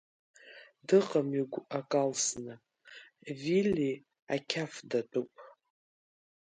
Дыҟам игәы ак алсны, Вилли ақьаф датәуп.